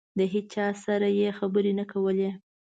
د هېچا سره یې خبرې نه کولې.